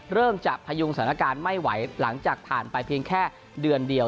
เริ่มจะพยุงสถานการณ์ไม่ไหวหลังจากผ่านไปเพียงแค่เดือนเดียว